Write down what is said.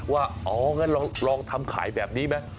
ว่าอ๋องั้นลองทำขายแบบนี้ไหม